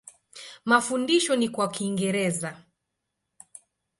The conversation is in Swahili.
Mafundisho ni kwa Kiingereza.